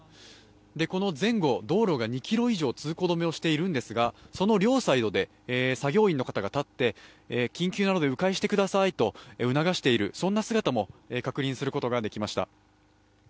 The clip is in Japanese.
この前後、道路が２ｋｍ以上通行止めをしているんですが、その両サイドで作業員の方が立って緊急なので、う回してくださいと促しているそんな姿も確認することができました。